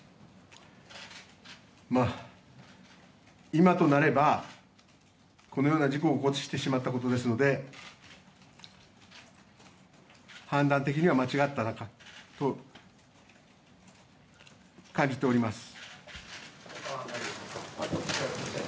今となればこのような事故を起こしてしまったことですので判断的には間違っていたと感じております。